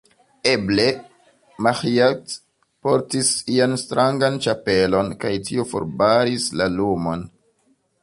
Eble, Maĥiac portis ian strangan ĉapelon, kaj tio forbaris la lumon.